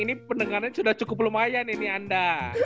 ini pendengarannya sudah cukup lumayan ini anda